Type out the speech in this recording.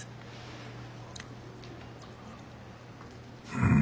うん。